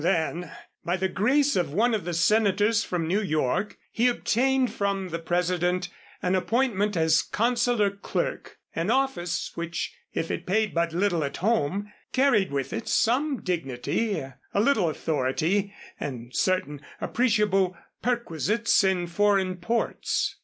Then by the grace of one of the senators from New York he obtained from the President an appointment as consular clerk, an office, which if it paid but little at home carried with it some dignity, a little authority, and certain appreciable perquisites in foreign ports.